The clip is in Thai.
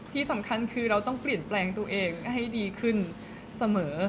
ที่สำคัญคือเราต้องเปลี่ยนแปลงตัวเองให้ดีขึ้นเสมอ